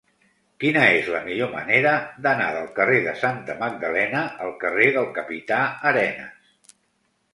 Quina és la millor manera d'anar del carrer de Santa Magdalena al carrer del Capità Arenas?